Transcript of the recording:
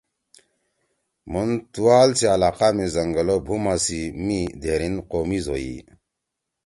مُھن تُوال سی علاقہ می زنگل او بُھوما سی می دھیریِن قومیز ہوئی۔